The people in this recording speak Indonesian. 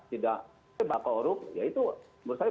tidak sebakorup ya itu menurut saya